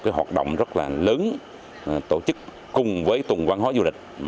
cái hoạt động rất là lớn tổ chức cùng với tuần văn hóa du lịch